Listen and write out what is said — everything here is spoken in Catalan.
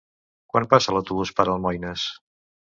Quan passa l'autobús per Almoines?